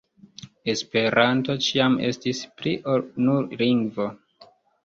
Esperanto ĉiam estis pli ol nur lingvo.